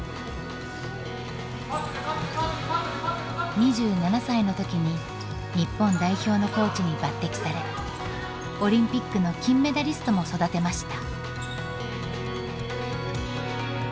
２７歳の時に日本代表のコーチに抜てきされオリンピックの金メダリストも育てました。